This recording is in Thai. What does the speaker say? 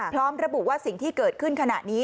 พร้อมระบุว่าสิ่งที่เกิดขึ้นขณะนี้